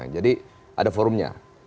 jadi ada forumnya